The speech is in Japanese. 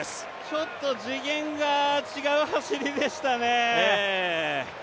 ちょっと次元が違う走りでしたね。